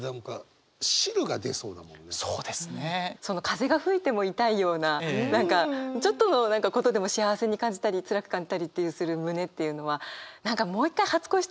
風が吹いても痛いような何かちょっとのことでも幸せに感じたりつらく感じたりする胸っていうのは何かもう一回初恋したくなりますね。